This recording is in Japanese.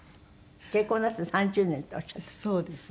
結婚なすって３０年っておっしゃった？